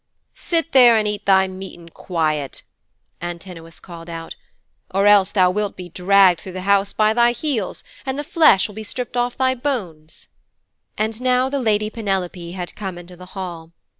'Sit there and eat thy meat in quiet,' Antinous called out, 'or else thou wilt be dragged through the house by thy heels, and the flesh will be stripped off thy bones,' And now the lady Penelope had come into the hall.